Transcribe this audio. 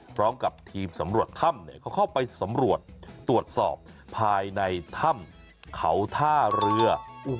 พร้อมกับทีมสำรวจถ้ำเขาเข้าไปสำรวจตรวจสอบภายในถ้ำเขาท่าเรือ